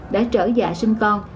đã trở dạ sinh con